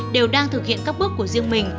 đều đang thực hiện các bước của riêng mình